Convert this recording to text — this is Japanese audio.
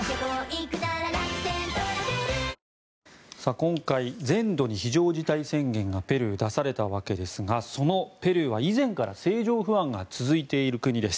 今回、全土に非常事態宣言がペルー、出されたわけですがそのペルーは、以前から政情不安が続いている国です。